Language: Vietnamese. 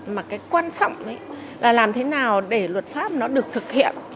mà cái quan trọng là làm thế nào để luật pháp nó được thực hiện